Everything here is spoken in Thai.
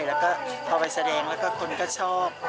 แล้วก็พอไปแสดงแล้วก็คนก็ชอบ